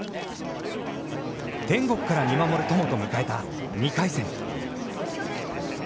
天国から見守る友と迎えた２回戦。